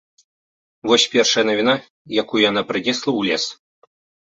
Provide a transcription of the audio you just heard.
Вось першая навіна, якую яна прынесла ў лес.